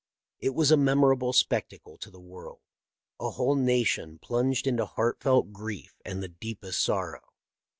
It was a memorable spectacle to the world — a whole nation plunged into heartfelt grief and the deepest sorrow.